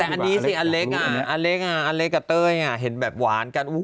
แต่อันนี้สิอเล็กอ่ะอเล็กกับเต้ยเห็นแบบหวานกัน